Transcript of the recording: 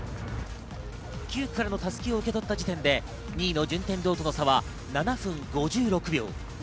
９区からの襷を受け取った時点で２位の順天堂との差は７分５６秒。